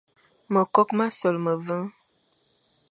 Mekokh ma sola meveñ,